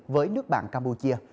với nước bạn campuchia